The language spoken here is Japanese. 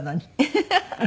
フフフフ。